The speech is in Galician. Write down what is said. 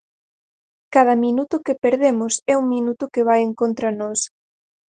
Cada minuto que perdemos é un minuto que vai en contra nosa.